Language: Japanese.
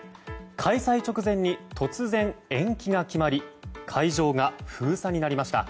開催直前に突然、延期が決まり会場が封鎖になりました。